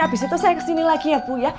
habis itu saya kesini lagi ya bu ya